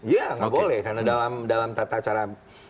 iya tidak boleh karena dalam tata cara